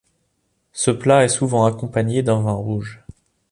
Ce plat est souvent accompagné d’un vin rouge.